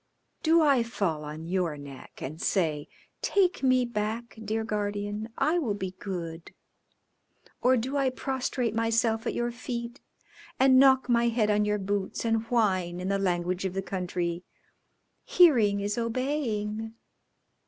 "Do I fall on your neck and say, 'Take me back, dear Guardian; I will be good,' or do I prostrate myself at your feet and knock my head on your boots, and whine, in the language of the country, 'Hearing is obeying'?